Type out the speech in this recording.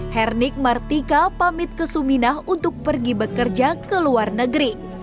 hernik martika pamit ke suminah untuk pergi bekerja ke luar negeri